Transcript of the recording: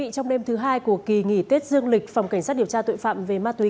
trong đêm thứ hai của kỳ nghỉ tết dương lịch phòng cảnh sát điều tra tội phạm về ma túy